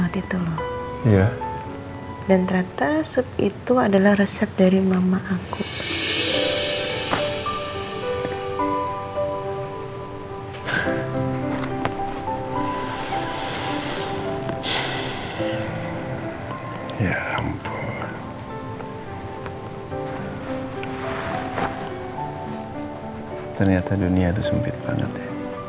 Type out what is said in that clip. ternyata dunia itu sempit banget ya